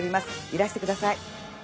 いらしてください。